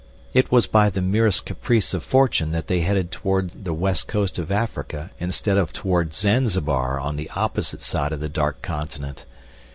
It was by the merest caprice of fortune that they headed toward the west coast of Africa, instead of toward Zanzibar on the opposite side of the dark continent.